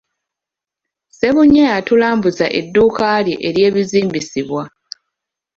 Ssebunya yatulambuzza edduuka lye ery'ebizimbisibwa.